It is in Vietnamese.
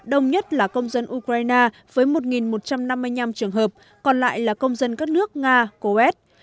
đông nhất là công dân ukraine với một một trăm năm mươi năm trường hợp còn lại là công dân các nước nga coes